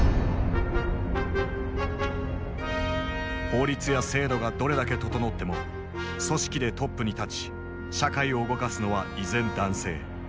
法律や制度がどれだけ整っても組織でトップに立ち社会を動かすのは依然男性。